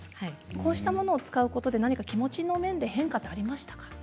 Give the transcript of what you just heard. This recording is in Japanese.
こうしたものを使うことで気持ちの変化はありましたか？